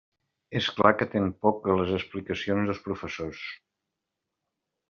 És clar que atén poc a les explicacions dels professors.